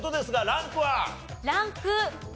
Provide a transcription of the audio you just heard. ランク４。